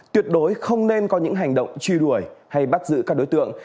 tuyệt đối không nên có những hành động truy đuổi hay bắt giữ các đối tượng